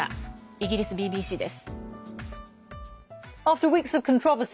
イギリスＢＢＣです。